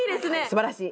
すばらしい。